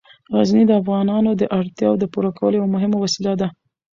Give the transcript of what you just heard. غزني د افغانانو د اړتیاوو د پوره کولو یوه مهمه وسیله ده.